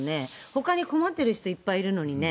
ほかに困ってる人いっぱいいるのにね。